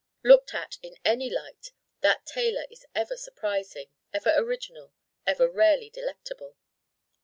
Looked at in any light that tailor is ever surprising, ever original, ever rarely delectable.